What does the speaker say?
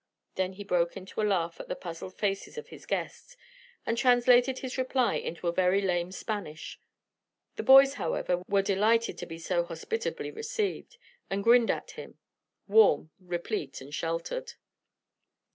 Then he broke into a laugh at the puzzled faces of his guests, and translated his reply into very lame Spanish. The boys, however, were delighted to be so hospitably received, and grinned at him, warm, replete, and sheltered.